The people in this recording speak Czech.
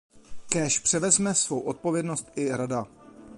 Kéž převezme svou odpovědnost i Rada.